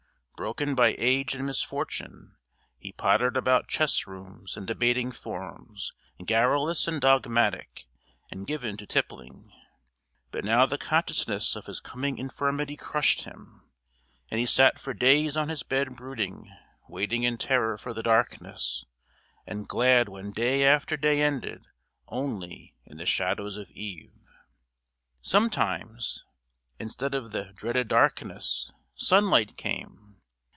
Broken by age and misfortune, he pottered about chess rooms and debating forums, garrulous and dogmatic, and given to tippling. But now the consciousness of his coming infirmity crushed him, and he sat for days on his bed brooding, waiting in terror for the darkness, and glad when day after day ended only in the shadows of eve. Sometimes, instead of the dreaded darkness, sunlight came.